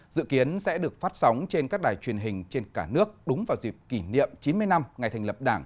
dự kiến sẽ được phát sóng trên các đài truyền hình trên cả nước đúng vào dịp kỷ niệm chín mươi năm ngày thành lập đảng